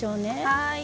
はい。